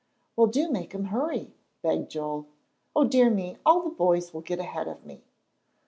"Well, do make him hurry," begged Joel. "O dear me, all the boys will get ahead of me!"